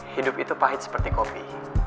hidup itu pahit seperti kopi